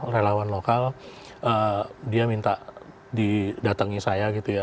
relawan lokal dia minta didatangi saya gitu ya